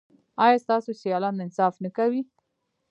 ایا ستاسو سیالان انصاف نه کوي؟